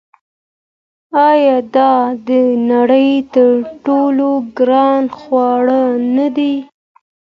آیا دا د نړۍ تر ټولو ګران خواړه نه دي؟